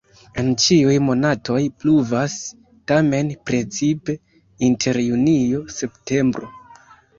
En ĉiuj monatoj pluvas, tamen precipe inter junio-septembro.